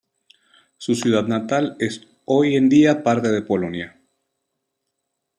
Su ciudad natal es hoy en día parte de Polonia.